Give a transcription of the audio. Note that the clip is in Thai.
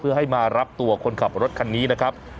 เพื่อให้มารับตัวคนขับรถคันนี้นะครับ